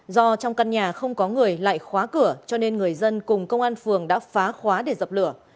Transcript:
do trong căn nhà không có người lại khóa cửa cho nên người dân cùng công an phường đã phá khóa để dập lửa